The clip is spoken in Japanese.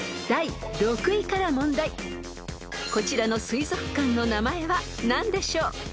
［こちらの水族館の名前は何でしょう？］